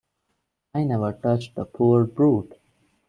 I never touched the poor brute.